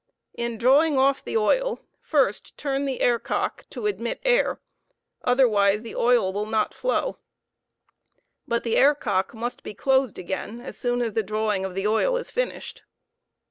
In drawing off the oil, first turn the air cock to admit air, otherwise the oil will not flow, but the air cock must be closed again as, soon as the drawing of the oil is finished.